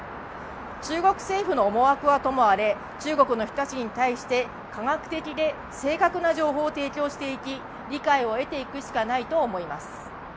中国政府の思惑はともあれ、中国の人たちに対して科学的で正確な情報を提供していき、理解を得ていくしかないと思います。